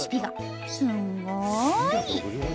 すんごい！